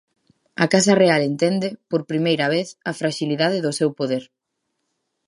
A casa real entende, por primeira vez, a fraxilidade do seu poder.